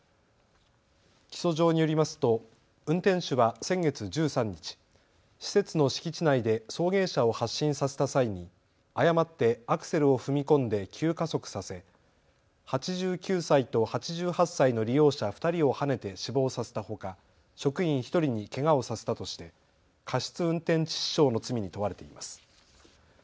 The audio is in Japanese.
起訴状によりますと運転手は先月１３日、施設の敷地内で送迎車を発進させた際に誤ってアクセルを踏み込んで急加速させ８９歳と８８歳の利用者２人をはねて死亡させたほか職員１人にけがをさせたとして過失運転致死傷の罪に問われています。